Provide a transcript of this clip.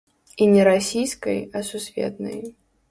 І не расійскай, а сусветнай.